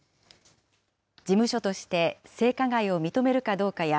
事務所として、性加害を認めるかどうかや、